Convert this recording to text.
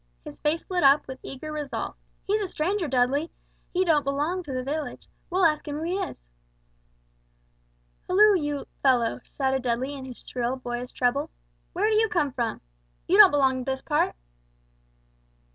His face lit up with eager resolve. "He's a stranger, Dudley; he doesn't belong to the village; we'll ask him who he is." "Hulloo, you fellow," shouted Dudley in his shrill boyish treble; "where do you come from? You don't belong to this part."